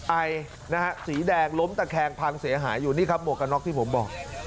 ไอนะฮะสีแดงล้มตะแคงพังเสียหายอยู่นี่ครับหมวกกันน็อกที่ผมบอก